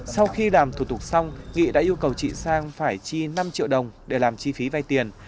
sau khi làm thủ tục xong nghị đã yêu cầu chị sang phải chi năm triệu đồng để làm chi phí vay tiền